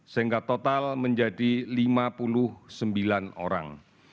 sehingga total menjadi lima puluh sembilan orang